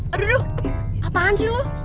aduh apaan sih lu